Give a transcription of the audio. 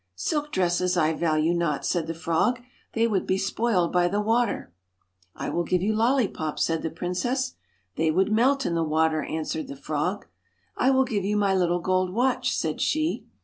'Silk dresses I value not,' said the frog. 'They would be spoiled by the water.' ' I will give you lollipops/ said the princess. 'They would melt in the water/ answered the frog. ' I will give you my little gold watch/ said she.